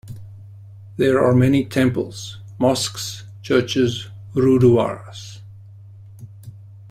There are many temples, mosques, churches, guruduwaras.